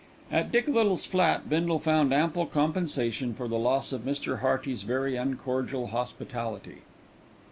At Dick Little's flat Bindle found ample compensation for the loss of Mr. Hearty's very uncordial hospitality.